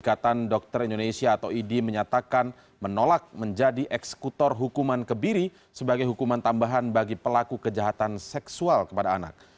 ikatan dokter indonesia atau idi menyatakan menolak menjadi eksekutor hukuman kebiri sebagai hukuman tambahan bagi pelaku kejahatan seksual kepada anak